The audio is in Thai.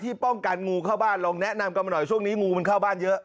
ป้องกันงูเข้าบ้านลองแนะนำกันมาหน่อยช่วงนี้งูมันเข้าบ้านเยอะ